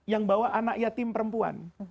yang bawa anak yatim perempuan